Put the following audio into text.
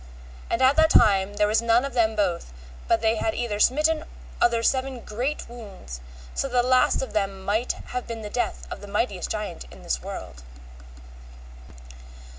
And at that time there was none of them both but they had either smitten other seven great wounds, so that the least of them might have been the death of the mightiest giant in this world.